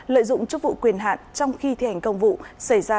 lợi dụng chức vụ quyền hạn trong khi thi hành công vụ xảy ra